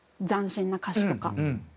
斬新な歌詞とか。